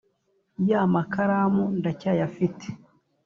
ya makaramu ndacyayafite